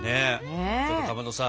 ちょっとかまどさ